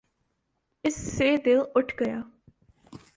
اس سے دل اٹھ گیا۔